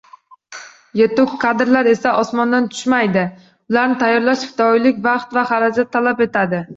Yetuk kadrlar esa osmondan tushmaydi, ularni tayyorlash fidoyilik, vaqt va xarajat talab etadi.